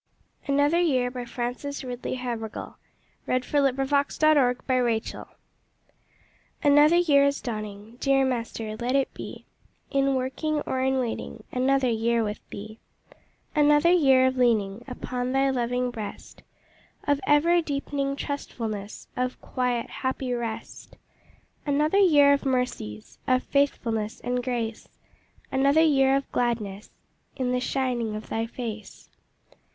Another Year. Another year is dawning! Dear Master, let it be In working or in waiting, Another year with Thee. Another year of leaning Upon Thy loving breast, Of ever deepening trustfulness, Of quiet, happy rest. Another year of mercies, Of faithfulness and grace; Another year of gladness In the shining of Thy face.